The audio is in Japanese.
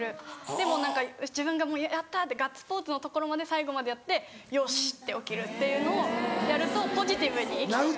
でもう自分が「やった！」ってガッツポーズのところまで最後までやってよし！って起きるっていうのをやるとポジティブに生きていける。